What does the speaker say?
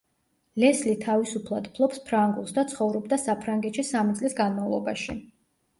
ლესლი თავისუფლად ფლობს ფრანგულს და ცხოვრობდა საფრანგეთში სამი წლის განმავლობაში.